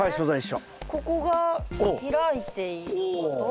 ここが開いていること。